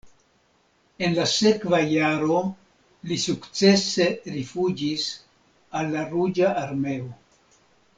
En la sekva jaro li sukcese rifuĝis al la Ruĝa Armeo.